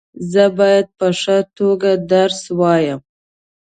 زه باید په ښه توګه درس وایم.